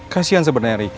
kasian sebenarnya ricky